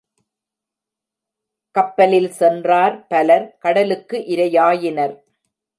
கப்பலில் சென்றார் பலர் கடலுக்கு இரையாயினர்.